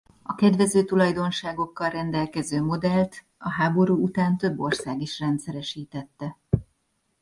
A kedvező tulajdonságokkal rendelkező modellt a háború után több ország is rendszeresítette.